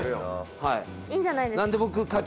いいんじゃないですか？